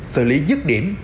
xử lý dứt điểm